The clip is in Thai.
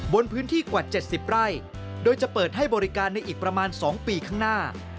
บนพื้นที่กว่า๗๐ไร่โดยจะเปิดให้บริการในอีกประมาณ๒ปีข้างหน้า